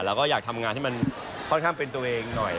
เราก็อยากทำงานให้มันค่อนข้างเป็นตัวเองหน่อย